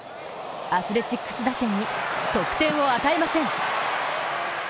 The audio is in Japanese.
アスレチックス打線に得点を与えません。